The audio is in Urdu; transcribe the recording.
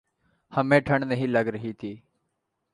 ہمیں ٹھنڈ نہیں لگ رہی تھی۔